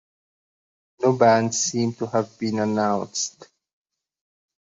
No bands seem to have been announced.